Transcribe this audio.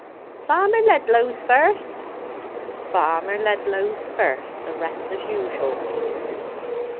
"Farmer Ledlow's first?" "Farmer Ledlow's first; the rest as usual."